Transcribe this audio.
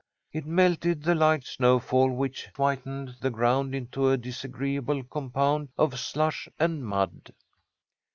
It melted the light snow fall which whitened the ground into a disagreeable compound of slush and mud.